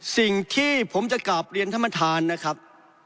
สิ่งที่ผมจะกลับเรียนธรรมฐานนะครับ